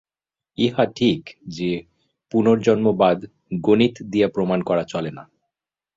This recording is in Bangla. ইহা ঠিক যে, পুনর্জন্মবাদ গণিত দিয়া প্রমাণ করা চলে না।